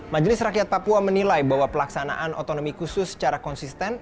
majelis rakyat papua menilai bahwa pelaksanaan otonomi khusus secara konsisten